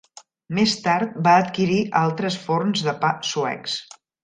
Més tard va adquirir altres forns de pa suecs.